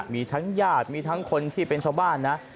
มีทั้งญาติมีทั้งคนที่เป็นชาวบ้านนะ